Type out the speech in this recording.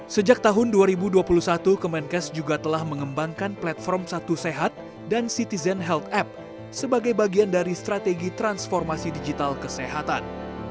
sejak tahun dua ribu dua puluh satu kemenkes juga telah mengembangkan platform satu sehat dan citizen health app sebagai bagian dari strategi transformasi digital kesehatan